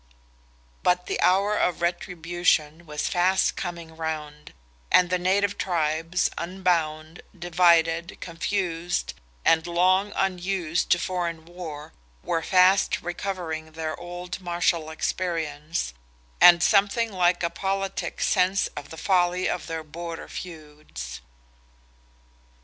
But the hour of retribution was fast coming round, and the native tribes, unbound, divided, confused, and long unused to foreign war, were fast recovering their old martial experience, and something like a politic sense of the folly of their border feuds.